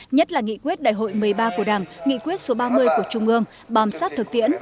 nhất là nghị quyết đại hội một mươi ba của đảng nghị quyết số ba mươi của trung ương bám sát thực tiễn